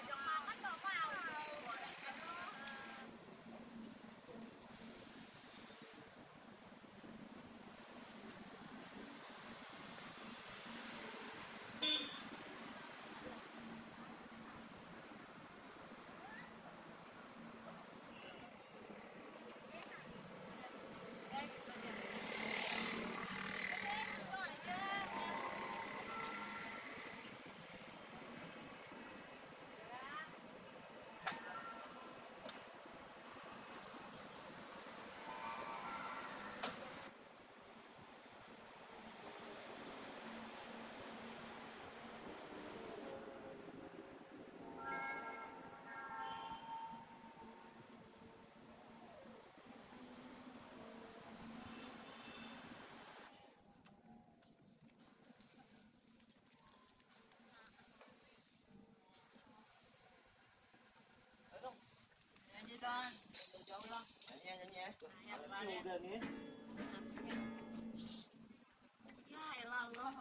terima kasih bang ya